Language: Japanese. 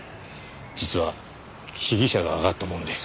実は被疑者が挙がったもので。